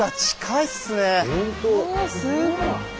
うわすごい。